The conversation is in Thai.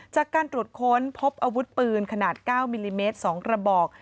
จากการตรวจค้นพบอาวุธปืนขนาด๙มิลลิเมตร๒กระบอก